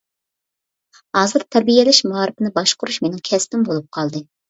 ھازىر تەربىيەلەش مائارىپىنى باشقۇرۇش مېنىڭ كەسپىم بولۇپ قالدى.